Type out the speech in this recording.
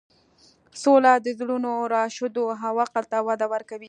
سوله د زړونو راشدو او عقل ته وده ورکوي.